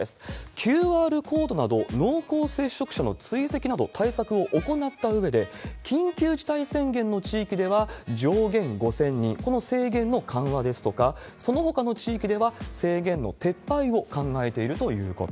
ＱＲコードなど、濃厚接触者の追跡など対策を行ったうえで、緊急事態宣言の地域では上限５０００人、この制限の緩和ですとか、そのほかの地域では、制限の撤廃を考えているということ。